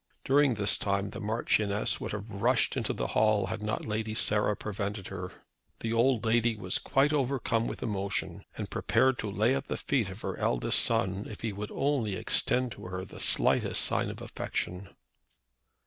During this time the Marchioness would have rushed into the hall had not Lady Sarah prevented her. The old lady was quite overcome with emotion, and prepared to lay at the feet of her eldest son, if he would only extend to her the slightest sign of affection.